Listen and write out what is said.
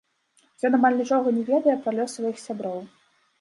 Ён амаль нічога не ведае пра лёс сваіх сяброў.